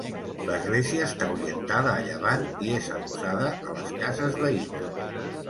L'església està orientada a llevant i és adossada a les cases veïnes.